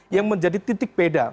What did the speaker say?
yang menjadi titik beda